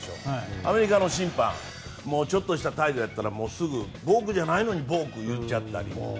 アメリカの審判はちょっとした態度だったらすぐボークじゃないのにボークって言っちゃったり。